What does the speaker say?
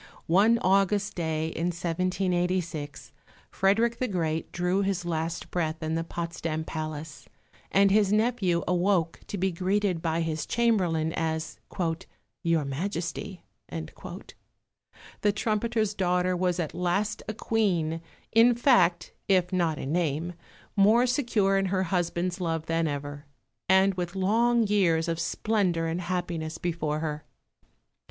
One August day in 1786 Frederick the Great drew his last breath in the Potsdam Palace, and his nephew awoke to be greeted by his chamberlain as "Your Majesty." The trumpeter's daughter was at last a Queen, in fact, if not in name, more secure in her husband's love than ever, and with long years of splendour and happiness before her.